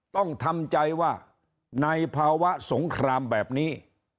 ต้องทำใจว่าในภาวะสงครามแบบนี้